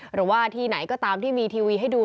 หรือว่าที่ไหนก็ตามที่มีทีวีให้ดู